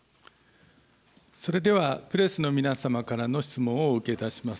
それではプレスの皆様からの質問をお受けいたします。